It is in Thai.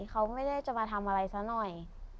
เขาไม่ได้จะมาทำอะไรซะหน่อย